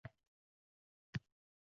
To’lqinlandi